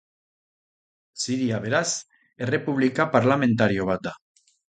Siria, beraz, Errepublika parlamentario bat da.